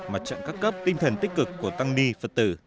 mặt trận các cấp tinh thần tích cực của tăng ni phật tử